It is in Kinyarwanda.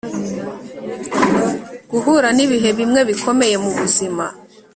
guhura nibihe bimwe bikomeye mubuzima